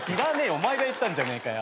お前が言ったんじゃねえかよ。